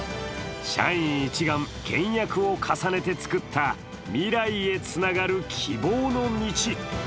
社員一丸、倹約を重ねてつくった未来へつながる希望の道。